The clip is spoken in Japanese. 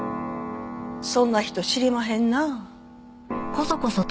そんな人知りまへんなあ。